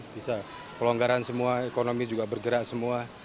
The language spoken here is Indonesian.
bisa pelonggaran semua ekonomi juga bergerak semua